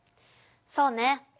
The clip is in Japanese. そうね。